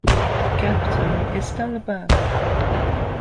The capital is Dalaba.